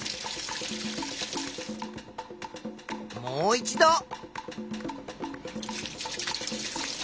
もう一度。